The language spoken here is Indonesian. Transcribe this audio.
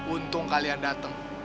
untung kalian dateng